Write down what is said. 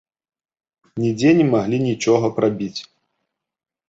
Нідзе не маглі нічога прабіць.